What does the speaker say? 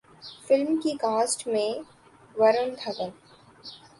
film کی cast میں ورون دھون